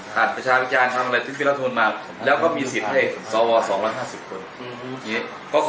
หันประชาวิการทำอะไรซึ่งพิราฐพนุนมาแล้วก็มีสิทธิ์ให้สว๒๕๐คน